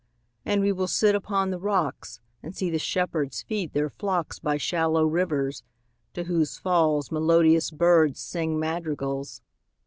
And we will sit upon the rocks, 5 And see the shepherds feed their flocks By shallow rivers, to whose falls Melodious birds sing madrigals.